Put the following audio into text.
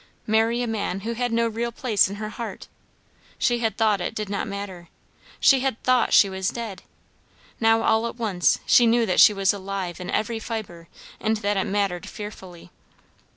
Marry a man who had no real place in her heart. She had thought it did not matter; she had thought she was dead; now all at once she knew that she was alive in every fibre, and that it mattered fearfully.